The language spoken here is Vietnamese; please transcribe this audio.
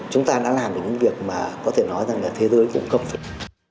chúng ta đã làm được những việc mà có thể nói rằng là thế giới cũng cộng phục